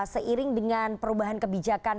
seiring dengan perubahan kebijakan